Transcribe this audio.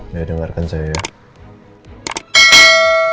sudah dengarkan saya ya